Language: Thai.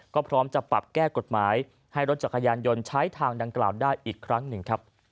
ก็พร้อมจะปรับแก้กฎหมายให้รถจักรยานยนต์ใช้ทางดังกล่าวได้อีกครั้งหนึ่งครับ